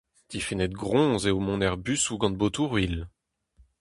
Difennet groñs eo mont er busoù gant botoù-ruilh.